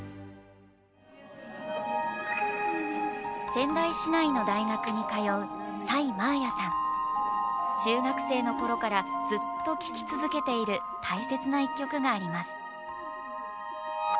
仙台市内の大学に通う中学生のころからずっと聴き続けている大切な１曲があります